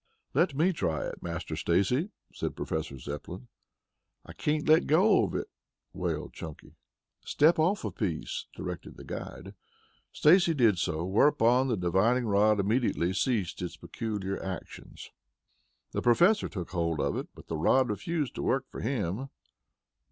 "Let me try it, Master Stacy," said Professor Zepplin. "I can't let go of it," wailed Chunky. "Step off a piece," directed the guide. Stacy did so, whereupon the divining rod immediately ceased its peculiar actions. The Professor took hold of it, but the rod refused to work for him.